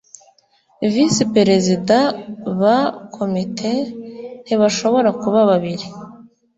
visi perezida ba komite ntibashobora kuba babiri